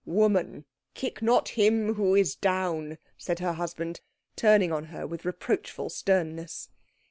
"Woman, kick not him who is down," said her husband, turning on her with reproachful sternness.